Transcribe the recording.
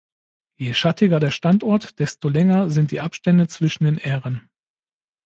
Je schattiger der Standort, desto länger sind die Abstände zwischen den Ähren.